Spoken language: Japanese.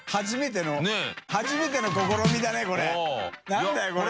何だよこれ。